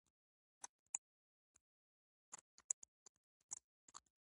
دوی په سرو زرو پوښل شوې وې